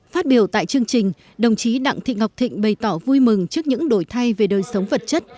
phát biểu tại chương trình đồng chí đặng thị ngọc thịnh bày tỏ vui mừng trước những đổi thay về đời sống vật chất